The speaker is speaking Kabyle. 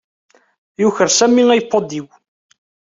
Yuker Sami iPod-iw.